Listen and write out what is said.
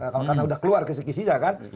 kalau kan udah keluar kesekisinya kan